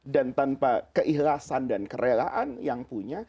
dan tanpa keikhlasan dan kerelaan yang punya